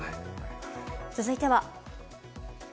続いては。